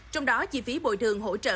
trong đó chi phí bồi thường hỗ trợ